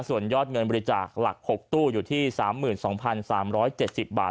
ส่วนยอดเงินบริจาคหลัก๖ตู้อยู่ที่สามหมื่นสองพันสามร้อยเจ็ดสิบบาท